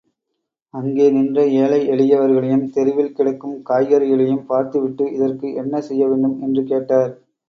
அங்கே நின்ற ஏழை எளியவர்களையும் தெருவில் கிடக்கும் காய்கறிகளையும் பார்த்துவிட்டு இதற்கு என்ன செய்ய வேண்டும்? என்று கேட்டார்.